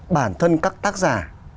bản thân các tác giả